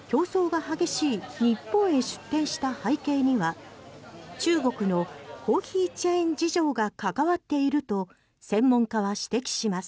競争が激しい日本へ出店した背景には中国のコーヒーチェーン事情が関わっていると専門家は指摘します。